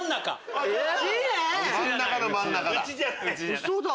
ウソだ。